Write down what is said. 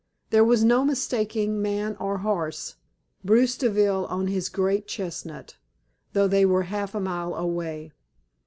There was no mistaking man or horse Bruce Deville on his great chestnut though they were half a mile away.